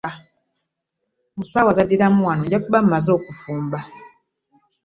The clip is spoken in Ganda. Mu ssaawa z'addiramu wano nja kuba mmaze okufumba.